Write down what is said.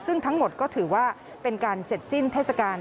ซึ่งทั้งหมดก็ถือว่าเป็นการเสร็จสิ้นเทศกาล